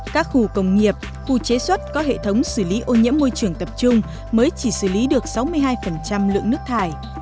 các khu công nghiệp khu chế xuất có hệ thống xử lý ô nhiễm môi trường tập trung mới chỉ xử lý được sáu mươi hai lượng nước thải